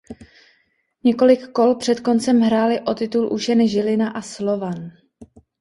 Několik kol před koncem hráli o titul už jen Žilina a Slovan.